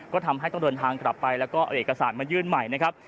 ก็ทำให้ต้องเดินทางกลับไปแล้วก็เอาเอกสารมายื่นใหม่นะครับ